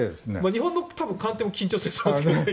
日本の官邸も選挙だと緊張すると思いますけど。